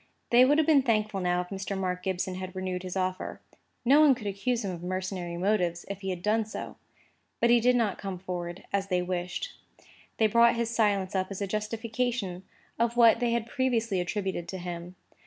They would have been thankful now if Mr. Mark Gibson had renewed his offer. No one could accuse him of mercenary motives if he had done so. Because he did not come forward, as they wished, they brought his silence up as a justification of what they had previously attributed to him.